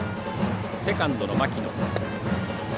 セカンドの牧野。